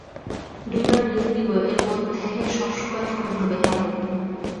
দুইবার রিং দিবো এর মধ্যে সবসময় ফোন ধরবে হ্যাঁলো?